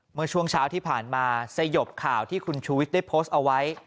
เมื่อช่วงเช้าที่ผ่านมาสยบข่าวที่คุณชูวิทย์ได้โพสต์เอาไว้